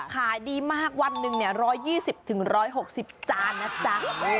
ขายดีมากวันหนึ่ง๑๒๐๑๖๐จานนะจ๊ะ